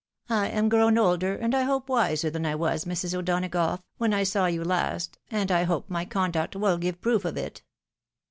I am grown older, and I hope wiser than I was, Mrs. O'Donagough, when I saw you last, and I hope my conduct will give proof of it."